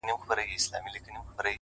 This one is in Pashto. پاڅه چي ځو ترې ; ه ياره;